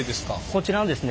こちらのですね